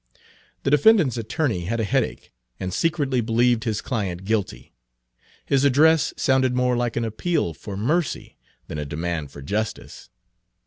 The defendant's attorney had a headache, and secretly believed his client guilty. His address sounded more like an appeal for mercy than a demand for justice.